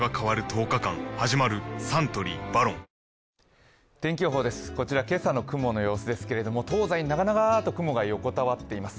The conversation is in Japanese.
サントリー「ＶＡＲＯＮ」天気予報です、こちら今朝の雲の様子ですけれども東西に長々と横たわっています。